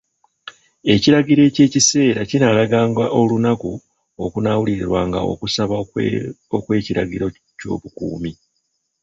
Ekiragiro eky'ekiseera kinaalaganga olunaku okunaawulirirwanga okusaba kw'ekiragiro ky'obukuumi.